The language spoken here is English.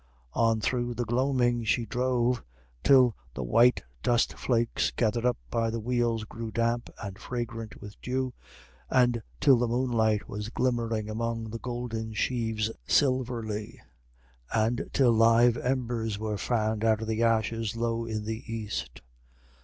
On through the gloaming she drove, till the white dust flakes gathered up by the wheels grew damp and fragrant with dew, and till the moonlight was glimmering among the golden sheaves silverly, and till live embers were fanned out of the ashes low in the east.